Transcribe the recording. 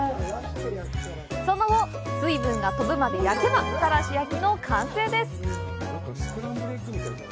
その後、水分が飛ぶまで焼けばたらし焼きの完成です。